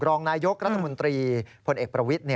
รองนายกรัฐมนตรีพลเอกประวิทธิ